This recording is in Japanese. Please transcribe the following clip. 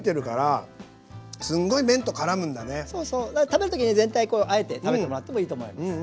食べる時に全体あえて食べてもらってもいいと思います。